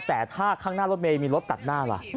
แต่ถ้าข้างหน้ารถเมย์มีรถตัดหน้าล่ะ